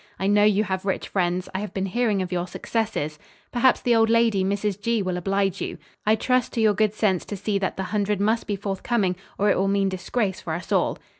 I know you have rich friends. I have been hearing of your successes. Perhaps the old lady, Mrs. G., will oblige you. I trust to your good sense to see that the hundred must be forthcoming, or it will mean disgrace for us all.